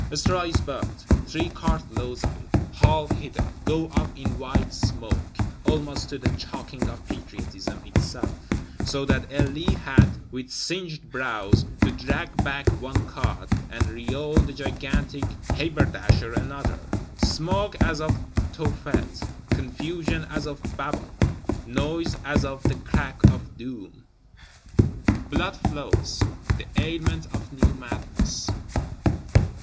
Straw is burnt; three cartloads of it, hauled hither, go up in white smoke, almost to the choking of Patriotism itself; so that Elie had, with singed brows, to drag back one cart, and Réole the "gigantic haberdasher" another. Smoke as of Tophet; confusion as of Babel; noise as of the Crack of Doom! Blood flows; the ailment of new madness.